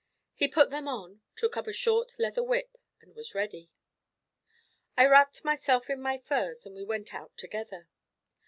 He put them on, took a short leather whip, and was ready. I wrapped myself in my furs, and we went out together.